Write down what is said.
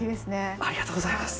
ありがとうございます。